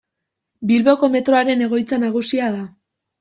Bilboko Metroaren egoitza nagusia da.